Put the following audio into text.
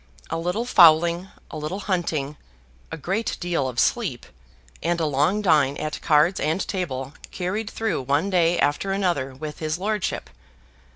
A little fowling, a little hunting, a great deal of sleep, and a long dine at cards and table, carried through one day after another with his lordship.